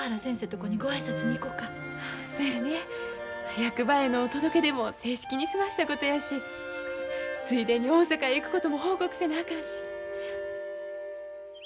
役場への届け出も正式に済ましたことやしついでに大阪へ行くことも報告せなあかんし。